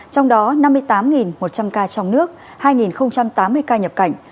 trong đó năm mươi tám một trăm linh ca trong nước hai tám mươi ca nhập cảnh